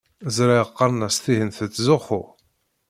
Ẓriɣ qqaren-as tihin tettzuxxu.